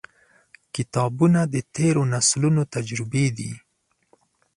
• کتابونه، د تیرو نسلونو تجربې دي.